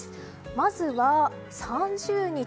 まずは３０日。